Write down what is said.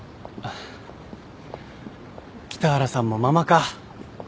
北原さんもママか。